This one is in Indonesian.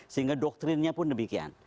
sehingga doktrinnya pun demikian